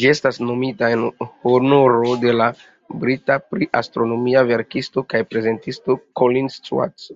Ĝi estis nomita en honoro de la brita pri-astronomia verkisto kaj prezentisto "Colin Stuart".